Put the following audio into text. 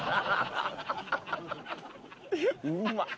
うまっ！